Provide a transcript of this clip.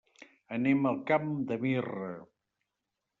Anem al Camp de Mirra.